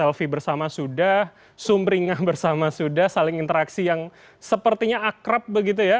selfie bersama sudah sumringah bersama sudah saling interaksi yang sepertinya akrab begitu ya